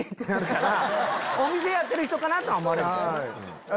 お店やってる人かな？とは思われるけどね。